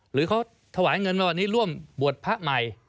หรือเขาถวายเงินมาวันนี้ร่วมบวชพระใหม่